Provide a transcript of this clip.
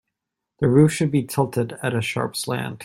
The roof should be tilted at a sharp slant.